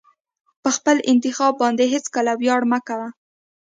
په خپل انتخاب باندې هېڅکله ویاړ مه کوه.